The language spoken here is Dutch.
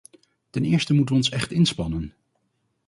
Ten eerste moeten we ons echt inspannen.